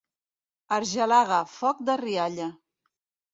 Argelaga, foc de rialla.